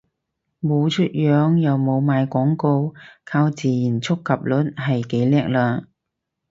冇出樣又冇賣廣告，靠自然觸及率係幾叻喇